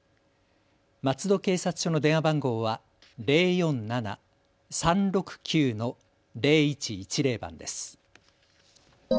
松戸警察署の電話番号は０４７−３６９−０１１０です。